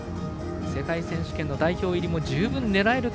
世界選手権の代表入りも十分狙える